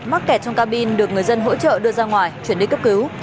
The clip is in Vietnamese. mắc kẹt trong cabin được người dân hỗ trợ đưa ra ngoài chuyển đi cấp cứu